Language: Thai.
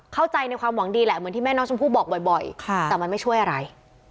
เข้าใจในความหวังดีแหละเหมือนที่แม่น้องชมพู่บอกบ่อยแต่มันไม่ช่วยอะไร